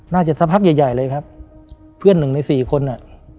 สักพักใหญ่ใหญ่เลยครับเพื่อนหนึ่งในสี่คนอ่ะ